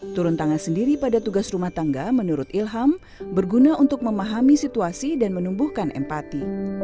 turun tangan sendiri pada tugas rumah tangga menurut ilham berguna untuk memahami situasi dan menumbuhkan empati